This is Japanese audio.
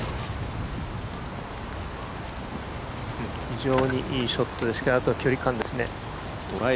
非常にいいショットですがあとは距離感ですね。